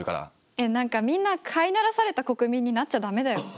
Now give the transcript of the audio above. え何かみんな飼い慣らされた国民になっちゃ駄目だよ。